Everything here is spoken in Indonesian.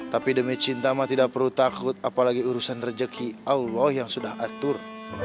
tapi demi cinta mah tidak perlu takut apalagi urusan rezeki allah yang sudah atur